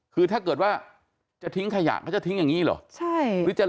คือถ้าเกิดว่าจะทิ้งขยะเขาจะทิ้งอย่างนี้เหรอ